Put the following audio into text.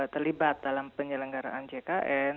terlibat dalam penyelenggaraan jkn